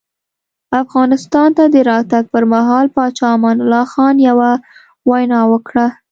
افغانستان ته د راتګ پر مهال پاچا امان الله خان یوه وینا وکړه.